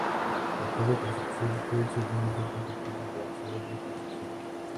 El Teatro Concepción fue el segundo teatro que tuvo la ciudad de Concepción.